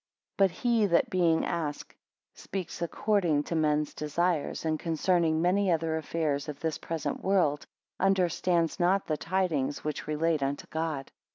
10 But he, that being asked speaks according to men's desires and concerning many other affairs of this present world, understands not the tidings which relate unto God.